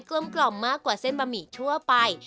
ลมกล่อมมากกว่าเส้นบะหมี่ทั่วไป